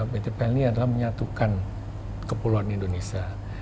pt pelni adalah menyatukan kepulauan indonesia